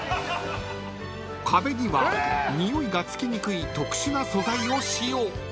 ［壁にはにおいがつきにくい特殊な素材を使用］